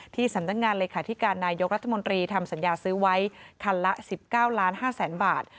สำนักงานเลขาธิการนายกรัฐมนตรีทำสัญญาซื้อไว้คันละ๑๙๕๐๐๐๐บาท